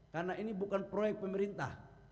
karena ini bukan proyek pemerintah